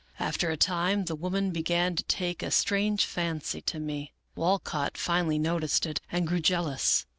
After a time the woman began to take a strange fancy to me. Walcott finally noticed it, and grew jealous.